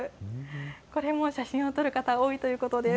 これも写真を撮る方、多いということです。